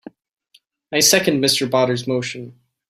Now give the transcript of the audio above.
I second Mr. Potter's motion.